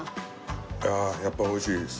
いやあやっぱり美味しいです。